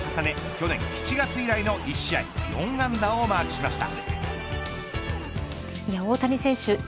去年７月以来の１試合４安打をマークしました。